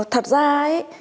thật ra ấy